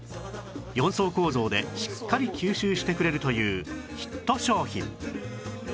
４層構造でしっかり吸収してくれるというヒット商品